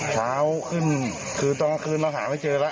เช้าขึ้นคือตอนกลางคืนเราหาไม่เจอแล้ว